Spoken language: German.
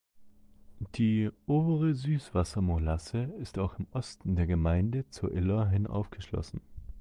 Die Obere Süßwassermolasse ist auch im Osten der Gemeinde zur Iller hin aufgeschlossen.